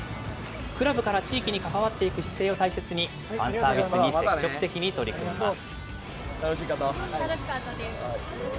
クラブから地域に関わっていく姿勢を大切に、ファンサービスに積極的に取り組みます。